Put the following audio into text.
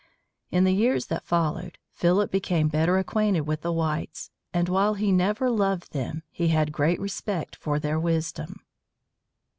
In the years that followed, Philip became better acquainted with the whites, and while he never loved them, he had great respect for their wisdom.